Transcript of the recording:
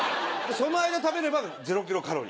その間に食べればゼロキロカロリ−。